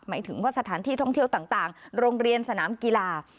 หมายถึงว่าสถานที่ท่องเที่ยวต่างโรงเรียนสนามกีฬา